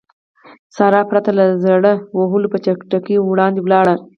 سارا پرته له زړه وهلو په چټکۍ وړاندې ولاړه.